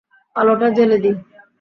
আলোটা জ্বেলে দিই।